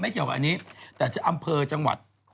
เกี่ยวกับอันนี้แต่อำเภอจังหวัด